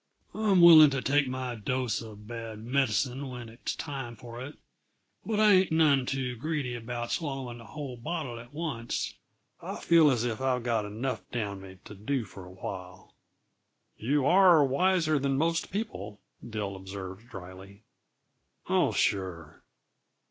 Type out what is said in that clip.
I'm willing to take my dose uh bad medicine when it's time for it but I ain't none greedy about swallowing the whole bottle at once! I feel as if I'd got enough down me to do for a while." "You are wiser than most people," Dill observed dryly. "Oh, sure.